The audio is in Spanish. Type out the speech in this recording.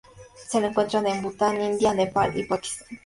Se la encuentra en Bhutan, India, Nepal y Pakistán.